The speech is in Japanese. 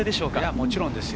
もちろんです。